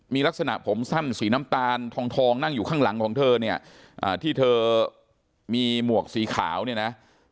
มีลักษณะผมสั้นสีน้ำตาลทองนั่งอยู่ข้างหลังของเธอเนี่ยที่เธอมีหมวกสีขาวเนี่ยนะ